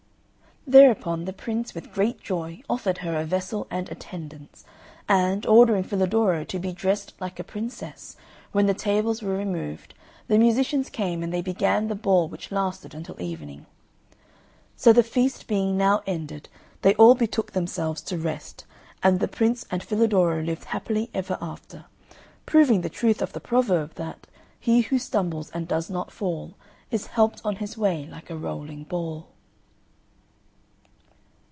Thereupon the Prince with great joy offered her a vessel and attendants; and, ordering Filadoro to be dressed like a Princess, when the tables were removed, the musicians came and they began the ball which lasted until evening. So the feast being now ended, they all betook themselves to rest, and the Prince and Filadoro lived happily ever after, proving the truth of the proverb that "He who stumbles and does not fall, Is helped on his way like a rolling ball."